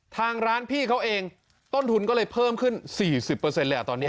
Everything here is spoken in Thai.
ทางร้านพี่เขาเองต้นทุนก็เลยเพิ่มขึ้น๔๐เลยอ่ะตอนนี้